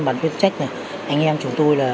bản quyết trách này anh em chúng tôi